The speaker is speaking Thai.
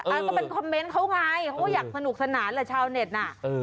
ก็เป็นคอมเมนต์เขาไงเพราะว่าอยากสนุกสนานเหรอชาวเน็ตน่ะ